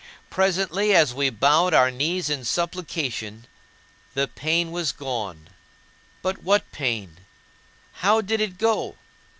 Presently, as we bowed our knees in supplication, the pain was gone. But what pain? How did it go?